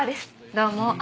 どうも。